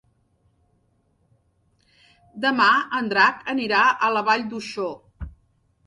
Demà en Drac anirà a la Vall d'Uixó.